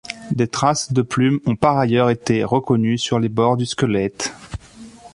Des traces de plumes ont par ailleurs été reconnues sur les bords du squelette.